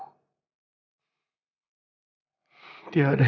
tiada yang bisa diberikan